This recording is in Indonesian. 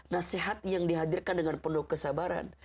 nasihat yang dihadirkan dengan penuh kesabaran